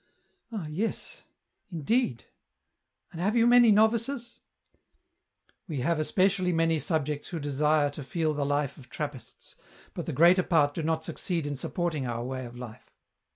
" Ah, yes, indeed. And have you many novices ?"" We have especially many subjects who desire to feel the life of Trappists, but the greater part do not succeed in supporting our way of life.